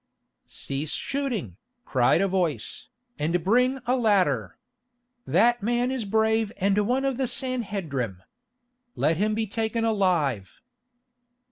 "Cease shooting," cried a voice, "and bring a ladder. That man is brave and one of the Sanhedrim. Let him be taken alive."